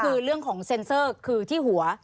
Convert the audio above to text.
คือเรื่องของเซ็นเซอร์คือที่หัว